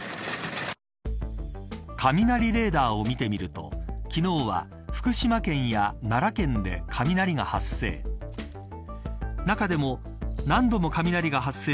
雷レーダーを見てみると昨日は福島県や奈良県で雷が発生。